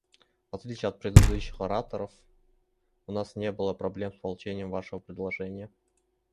В отличие от предыдущих ораторов, у нас не было проблем с получением Вашего предложения.